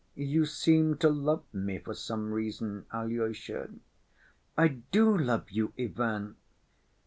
You seem to love me for some reason, Alyosha?" "I do love you, Ivan.